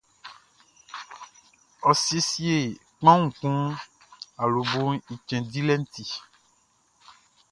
Ɔ siesie kpanwun kun awloboʼn i cɛn dilɛʼn i ti.